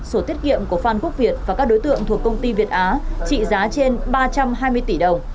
sổ tiết kiệm của phan quốc việt và các đối tượng thuộc công ty việt á trị giá trên ba trăm hai mươi tỷ đồng